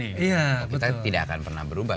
iya betul kita tidak akan pernah berubah